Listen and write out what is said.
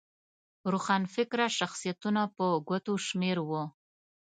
روښانفکره شخصیتونه په ګوتو شمېر وو.